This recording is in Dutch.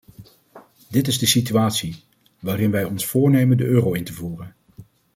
Dit is de situatie, waarin wij ons voornemen de euro in te voeren.